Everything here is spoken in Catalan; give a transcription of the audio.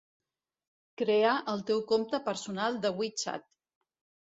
Crear el teu compte personal de WeChat.